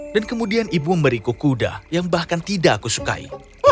dan kemudian ibu memberiku kuda yang bahkan tidak aku sukai